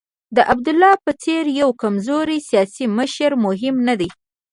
د عبدالله په څېر یو کمزوری سیاسي مشر مهم نه دی.